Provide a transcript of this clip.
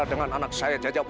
dengan lebih kejam